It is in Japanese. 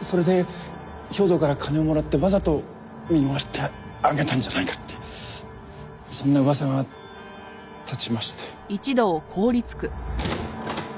それで兵頭から金をもらってわざと見逃してあげたんじゃないかってそんな噂が立ちまして。